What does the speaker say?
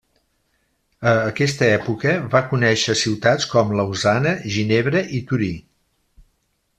A aquesta època va conéixer ciutats com Lausana, Ginebra i Torí.